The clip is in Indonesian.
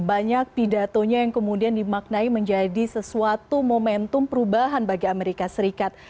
banyak pidatonya yang kemudian dimaknai menjadi sesuatu momentum perubahan bagi amerika serikat